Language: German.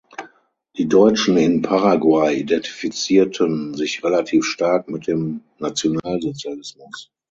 Die Deutschen in Paraguay identifizierten sich relativ stark mit dem Nationalsozialismus.